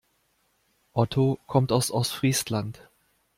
Otto kommt aus Ostfriesland.